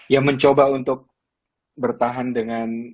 ya mencoba untuk bertahan dengan